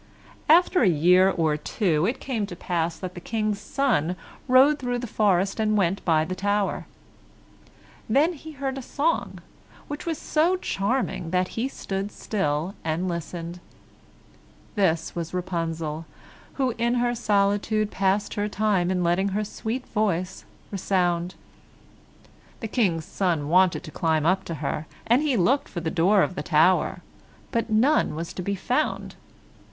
After a year or two, it came to pass that the King's son rode through the forest and went by the tower. Then he heard a song, which was so charming that he stood still and listened. This was Rapunzel, who in her solitude passed her time in letting her sweet voice resound. The King's son wanted to climb up to her, and looked for the door of the tower, but none was to be found.